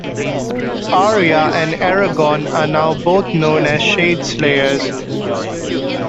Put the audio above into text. Arya and Eragon are now both known as Shadeslayers.